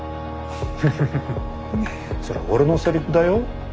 フフフフそれ俺のセリフだよ。